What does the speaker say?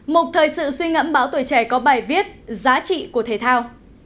một thời sự suy ngẫm báo tuổi trẻ có bài viết giá trị của thể thao